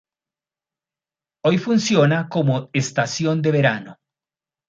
Hoy funciona como estación de verano.